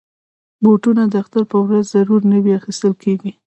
بوټونه د اختر په ورځ ضرور نوي اخیستل کېږي.